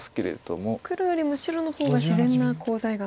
黒よりも白の方が自然なコウ材が。